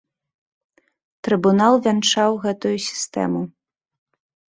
Трыбунал вянчаў гэтую сістэму.